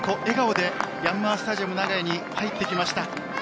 笑顔でヤンマースタジアム長居に入ってきました。